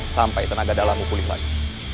sampai tenaga dalamnya pulih lagi